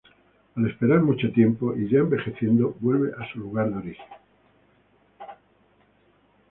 Al esperar mucho tiempo, y ya envejeciendo, vuelve a su lugar de origen.